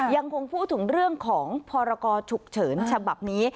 ยังคงพูดถึงเรื่องของพรกรฉุกเฉินฉบับนี้